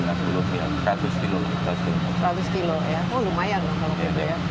seratus km ya oh lumayan loh kalau gitu ya